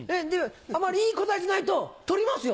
あまりいい答えじゃないと取りますよ